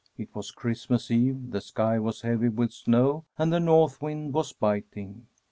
It was Christmas eve, the sky was heavy with snow, and the north wind was biting.